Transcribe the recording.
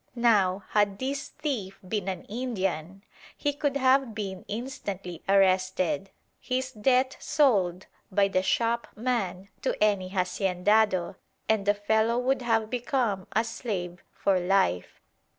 Now, had this thief been an Indian, he could have been instantly arrested, his debt sold by the shopman to any haciendado, and the fellow would have become a slave for life.